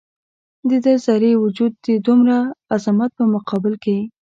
د ده ذرې وجود د دومره عظمت په مقابل کې.